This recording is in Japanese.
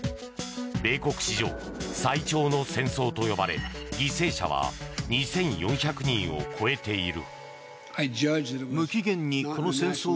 米国史上最長の戦争と呼ばれ犠牲者は２４００人を超えている。